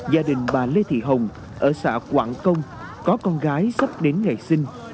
gia đình bà lê thị hồng ở xã quảng công có con gái sắp đến ngày sinh